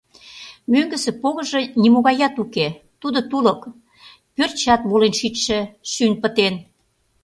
Мӧҥгысӧ погыжо нимогаят уке, тудо тулык, пӧртшат волен шичше, шӱйын пытен.